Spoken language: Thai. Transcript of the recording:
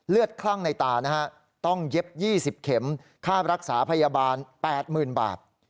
คลั่งในตานะฮะต้องเย็บ๒๐เข็มค่ารักษาพยาบาล๘๐๐๐บาท